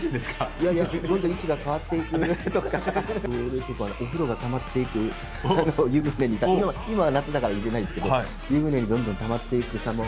いやいや、どんどん位置が変わっていく洋服とか、それとかお風呂がたまっていく、湯船にたまっていく、今は夏だから入れないんですけど、湯船にどんどんたまっていくさまを。